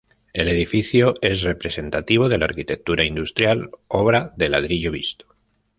El edificio es representativo de la arquitectura industrial obra de ladrillo visto.